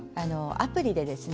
アプリでですね